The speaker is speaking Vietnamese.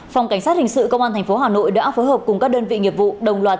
phòng cảnh sát hình sự công an tp hà nội đã phối hợp cùng các đơn vị nghiệp vụ đồng loạt